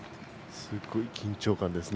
すごい緊張感ですね。